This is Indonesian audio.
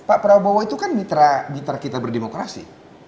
pak prabowo itu kan mitra mitra kita berdemokrasi